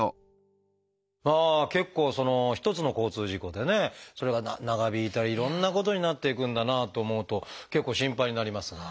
結構一つの交通事故でねそれが長引いたりいろんなことになっていくんだなと思うと結構心配になりますが。